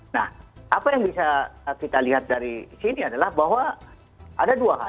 nah apa yang bisa kita lihat dari sini adalah bahwa ada dua hal